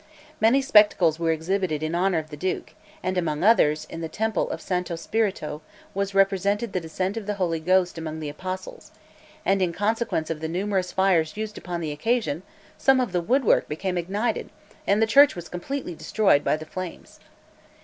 Many spectacles were exhibited in honor of the duke, and among others, in the temple of Santo Spirito, was represented the descent of the Holy Ghost among the apostles; and in consequence of the numerous fires used upon the occasion, some of the woodwork became ignited, and the church was completely destroyed by the flames.